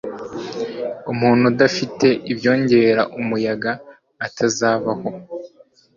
umuntu udafiteibyongera umuyaga atazabaho